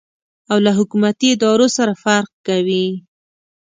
او له حکومتي ادارو سره فرق کوي.